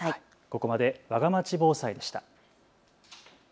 ここまでわがまち防災でした。